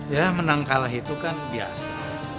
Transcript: ya menang kalah itu kan biasa